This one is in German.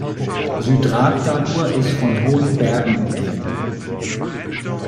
Syðradalur ist von hohen Bergen umgeben.